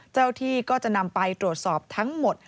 เจ้าที่ก็จะนำไปตรวจสอบทั้งหมด